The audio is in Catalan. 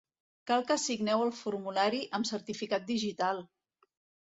Cal que signeu el formulari amb certificat digital.